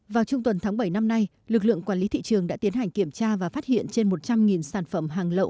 vào trung tuần tháng bảy năm nay lực lượng quản lý thị trường đã tiến hành kiểm tra và phát hiện trên một trăm linh sản phẩm hàng lậu